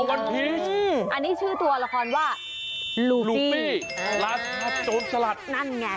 อันนี้ชื่อตัวละครว่าลูปปี้ลาซาโจรสลัดทำไมเนี่ย